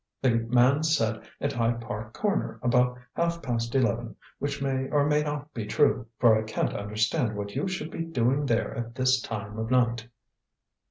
The man said at Hyde Park Corner about half past eleven, which may or may not be true, for I can't understand what you should be doing there at this time of night."